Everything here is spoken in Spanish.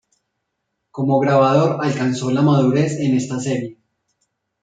Como grabador alcanzó la madurez en esta serie.